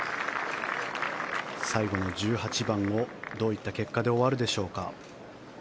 最後の１８番をどういった結果で終わるでしょうか。